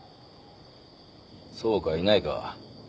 そうかいないか。